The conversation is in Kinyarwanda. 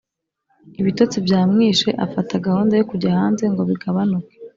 ibitotsi byamwishe afata gahunda yo kujya hanze ngo bigabanuke